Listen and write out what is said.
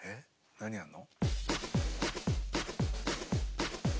何やんの？